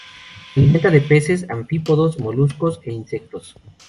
Se alimenta de peces, anfípodos, moluscos e insectos.